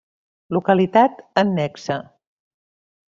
Localitat annexa: